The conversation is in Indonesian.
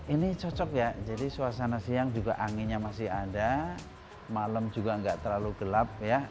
ini cocok ya jadi suasana siang juga anginnya masih ada malam juga nggak terlalu gelap ya